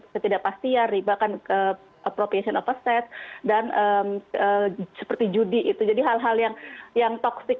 ketidakpastian riba kan ke appropriation of asset dan seperti judi itu jadi hal hal yang yang toxic